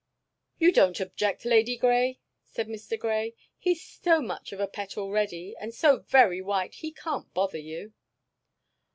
"You don't object, Lady Grey?" said Mr. Grey. "He's so much of a pet already, and so very white, he can't bother you."